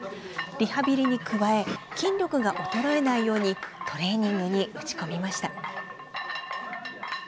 リハビリに加え筋力が衰えないようにトレーニングに打ち込みました。